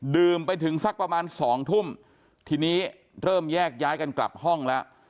ไปถึงสักประมาณสองทุ่มทีนี้เริ่มแยกย้ายกันกลับห้องแล้ว